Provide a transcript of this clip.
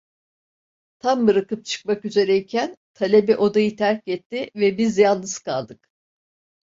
Tam bırakıp çıkmak üzereyken talebe odayı terk etti ve biz yalnız kaldık.